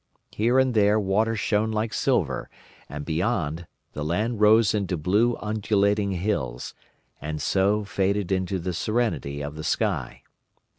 Here and there water shone like silver, and beyond, the land rose into blue undulating hills, and so faded into the serenity of the sky.